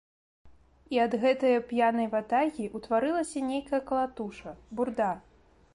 І ад гэтае п'янай ватагі ўтварылася нейкая калатуша, бурда.